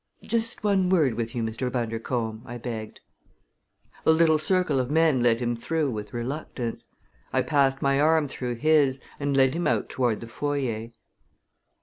"Just one word with you, Mr. Bundercombe," I begged. The little circle of men let him through with reluctance. I passed my arm through his and led him out toward the foyer.